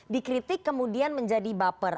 dikritik kemudian menjadi baper